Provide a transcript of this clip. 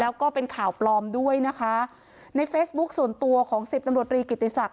แล้วก็เป็นข่าวปลอมด้วยนะคะในเฟซบุ๊คส่วนตัวของสิบตำรวจรีกิติศักดิ